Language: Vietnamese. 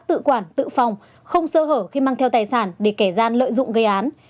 tự quản tự phòng không sơ hở khi mang theo tài sản để kẻ gian lợi dụng gây án